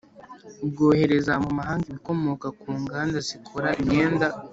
bwohereza mu mahanga ibikomoka ku nganda zikora imyenda,